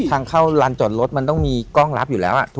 ทางเข้าลานจอดรถมันต้องมีกล้องรับอยู่แล้ว